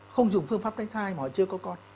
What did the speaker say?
không dùng phương pháp cách thai mà họ chưa có con